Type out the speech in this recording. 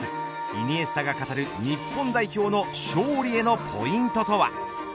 イニエスタが語る日本代表の勝利へのポイントとは。